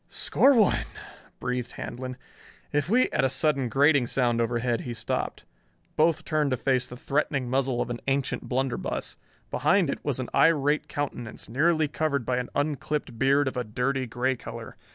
"Score one," breathed Handlon. "If we " At a sudden grating sound overhead, he stopped. Both turned to face the threatening muzzle of an ancient blunderbuss. Behind it was an irate countenance, nearly covered by an unclipped beard of a dirty gray color.